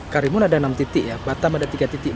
karimun ada enam titik ya batam ada tiga titik